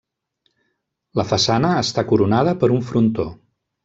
La façana està coronada per un frontó.